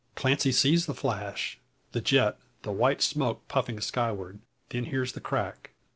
Clancy sees the flash, the jet, the white smoke puffing skyward; then hears the crack.